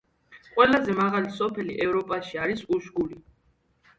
ყველაზე მაღალი სოფელი ევროპაში არის უშგული.